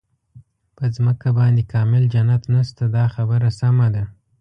په ځمکه باندې کامل جنت نشته دا خبره سمه ده.